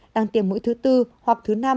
đang tiêm mũi thứ bốn hoặc thứ năm